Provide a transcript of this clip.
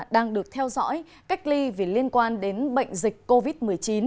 đang được theo dõi cách ly vì liên quan đến bệnh dịch covid một mươi chín